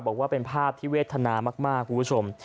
บอกว่าเป็นภาพที่เวทนามากคุณผู้ชม